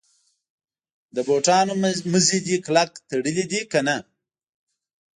د بوټانو مزي دي کلک تړلي دي کنه.